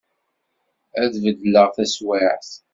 Ad bedleγ taswaԑt.